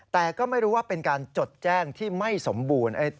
แต่ก็ไม่รู้ว่าเป็นการจดแจ้งที่ไม่สมบูรณ์